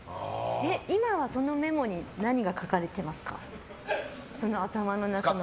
今はそのメモに何が書かれていますか？